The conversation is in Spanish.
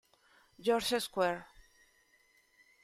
George's Square.